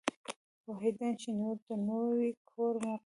پوهېدی چي نور د نوي کور مقیم سو